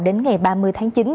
đến ngày ba mươi tháng chín